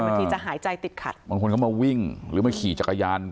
บางทีจะหายใจติดขัดบางคนก็มาวิ่งหรือมาขี่จักรยาน